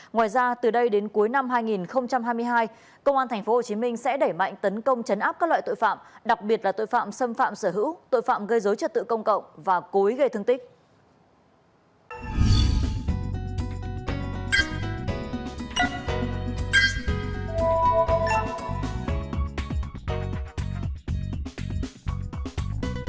ngoài ra từ đây đến cuối năm hai nghìn hai mươi hai công an tp hcm sẽ đẩy mạnh tấn công chấn áp các loại tội phạm đặc biệt là tội phạm xâm phạm sở hữu tội phạm gây dối trật tự công cộng và cối gây thương tích